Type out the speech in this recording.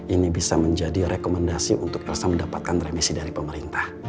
ini bisa menjadi rekomendasi untuk elsa mendapatkan remisi dari pemerintah